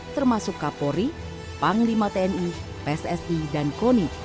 termasuk kapolri panglima tni pssi dan koni